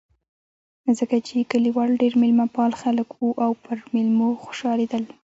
ځکه چې کلیوال ډېر مېلمه پال خلک و او پر مېلمنو خوشحالېدل.